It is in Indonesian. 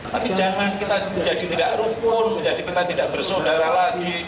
tapi jangan kita menjadi tidak rukun menjadi kita tidak bersaudara lagi